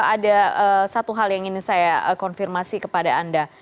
ada satu hal yang ingin saya konfirmasi kepada anda